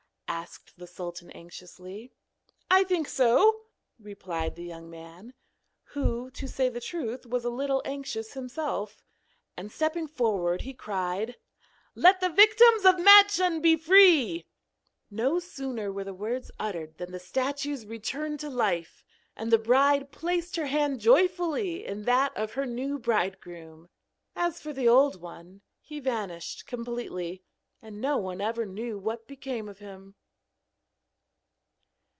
asked the sultan anxiously. 'I think so,' replied the young man (who, to say the truth, was a little anxious himself), and stepping forward, he cried: 'Let the victims of Madschun be free!' No sooner were the words uttered than the statues returned to life, and the bride placed her hand joyfully in that of her new bridegroom. As for the old one, he vanished completely, and no one ever knew what became of him.